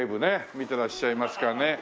見てらっしゃいますかね？